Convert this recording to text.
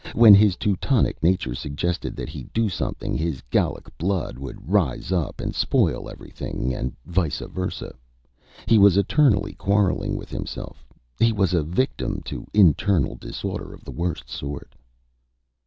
When his Teutonic nature suggested that he do something, his Gallic blood would rise up and spoil everything, and vice versa. He was eternally quarrelling with himself. He was a victim to internal disorder of the worst sort."